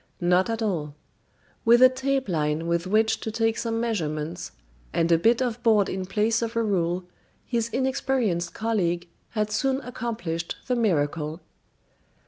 Not at all. With a tape line with which to take some measurements, and a bit of board in place of a rule, his inexperienced colleague had soon accomplished the miracle.